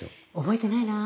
覚えてないな。